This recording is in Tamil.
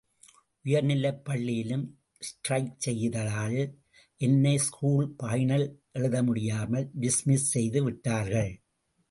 உயர்நிலைப் பள்ளியிலும் ஸ்ட்ரைக் செய்ததால் என்னை ஸ்கூல் பைனல் எழுத முடியாமல் டிஸ்மிஸ்செய்து விட்டார்கள்.